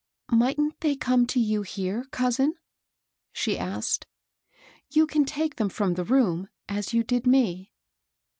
" Mightn't they come to you here, cousin ?" ^e asked. You can take them from the room, as you did me."